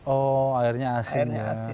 oh airnya asin